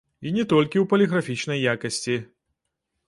І не толькі ў паліграфічнай якасці.